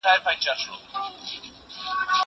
زه کولای سم واښه راوړم!!